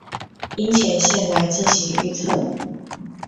樱前线来进行预测。